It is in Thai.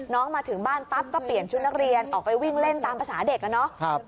มาถึงบ้านปั๊บก็เปลี่ยนชุดนักเรียนออกไปวิ่งเล่นตามภาษาเด็กอะเนาะ